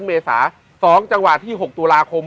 มี๖จังหวะที่๖ตุลาคม